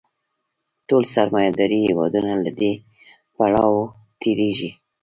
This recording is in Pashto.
ټول سرمایه داري هېوادونه له دې پړاو تېرېږي